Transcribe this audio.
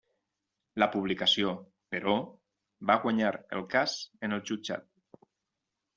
La publicació, però, va guanyar el cas en el jutjat.